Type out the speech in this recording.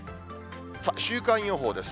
さあ、週間予報です。